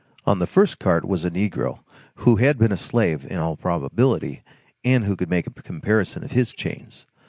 On the first cart was a negro, who had been a slave, in all probability, and who could make a comparison of his chains.